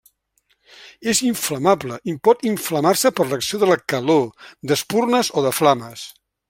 És inflamable i pot inflamar-se per acció de la calor, d'espurnes o de flames.